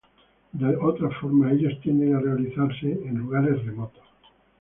De otra forma, ellos tienden a realizarse en lugares remotos.